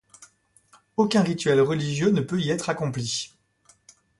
Aucun rituel religieux ne peut y être accompli.